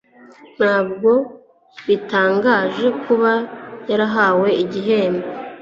Ntabwo bitangaje kuba yarahawe igihembo